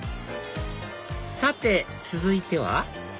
さて続いては？